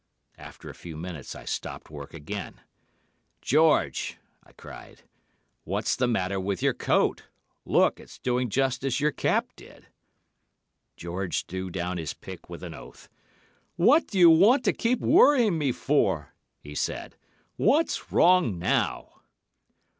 After a few minutes I stopped work again. "'George,' I cried, 'what's the matter with your coat? Look! It's doing just as your cap did.' "George threw down his pick with an oath. "'What do you want to keep worrying me for?' he said. 'What's wrong now?